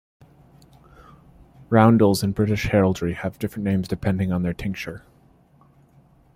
Roundels in British heraldry have different names depending on their tincture.